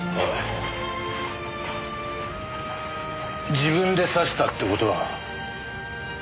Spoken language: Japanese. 自分で刺したって事はないよな？